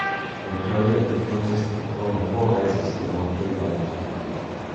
In a career that consisted of only four races, he won three times.